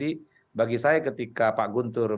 namun yaz zdfitasm nkjzn a finanfandqyng parisi